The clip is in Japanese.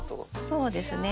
そうですね。